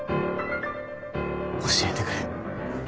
教えてくれ。